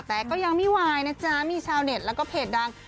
แต่ก็ยังไม่วายนะจ๊ะมีชาวเน็ตแล้วก็เพจดัง